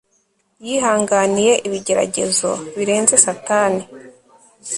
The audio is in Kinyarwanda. yihanganiye ibigeragezo birenze Satani